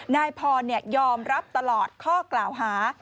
นายพรยอมรับตลอดข้อกล่าวหา